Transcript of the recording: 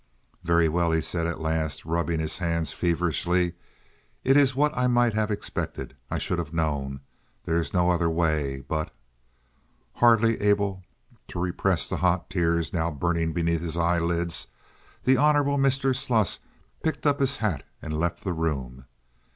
"Very well," he said, at last, rubbing his hands feverishly. "It is what I might have expected. I should have known. There is no other way, but—" Hardly able to repress the hot tears now burning beneath his eyelids, the Hon. Mr. Sluss picked up his hat and left the room.